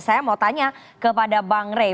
saya mau tanya kepada bang rey